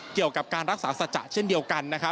เกี่ยวกับการรักษาสัจจะเช่นเดียวกัน